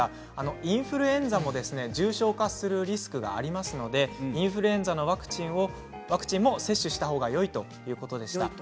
インフルエンザも重症化するリスクがありますのでインフルエンザのワクチンも接種したほうがよいということでした。